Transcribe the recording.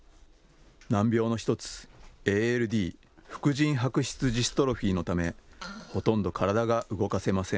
難病の１つ、ＡＬＤ・副腎白質ジストロフィーのためほとんど体が動かせません。